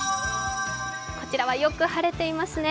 こちらはよく晴れていますね。